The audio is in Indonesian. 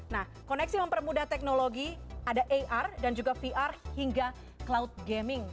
nah koneksi mempermudah teknologi ada ar dan juga vr hingga cloud gaming